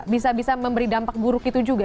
bisa bisa memberi dampak buruk itu juga